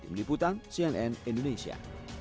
tim liputan cnn indonesia